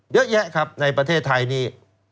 เยอะแยะครับในประเทศไทยนี้